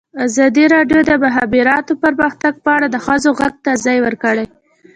ازادي راډیو د د مخابراتو پرمختګ په اړه د ښځو غږ ته ځای ورکړی.